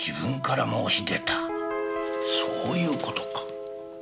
そういう事か。